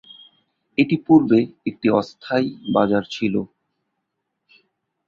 এটি পূর্বে একটি অস্থায়ী বাজার ছিল।